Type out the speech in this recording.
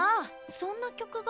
そんな曲が？